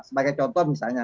sebagai contoh misalnya